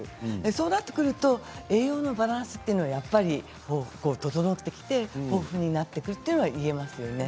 そうなってくると栄養のバランスというのはやっぱり整ってきて豊富になってくるということは言えますね。